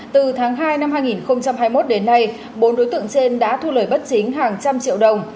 từ tháng hai năm hai nghìn hai mươi một đến nay bốn đối tượng trên đã thu lời bất chính hàng trăm triệu đồng